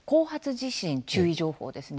地震注意情報ですね